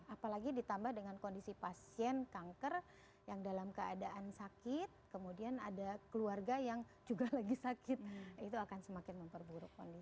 apalagi ditambah dengan kondisi pasien kanker yang dalam keadaan sakit kemudian ada keluarga yang juga lagi sakit itu akan semakin memperburuk kondisi